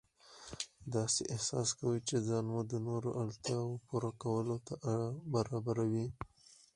داسې احساس کوئ چې ځان مو د نورو اړتیاوو پوره کولو ته برابروئ.